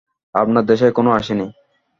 আপনার দেশে এখনো আসি নি।